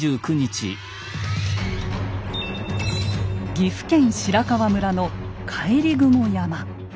岐阜県白川村の帰雲山。